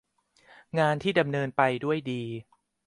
งานที่ดำเนินไปด้วยดี